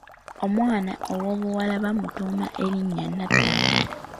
Omwana owobuwala baamutuuma erinnya Natabo.